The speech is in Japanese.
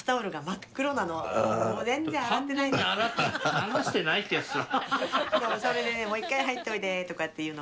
流してないってやつでさ。